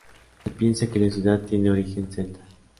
Se piensa que la ciudad tiene origen celta.